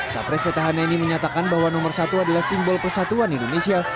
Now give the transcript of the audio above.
capres petahana ini menyatakan bahwa nomor satu adalah simbol persatuan indonesia